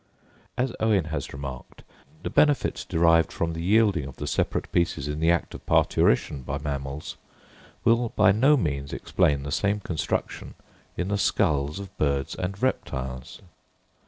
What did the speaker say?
As Owen has remarked, the benefit derived from the yielding of the separate pieces in the act of parturition by mammals, will by no means explain the same construction in the skulls of birds and reptiles.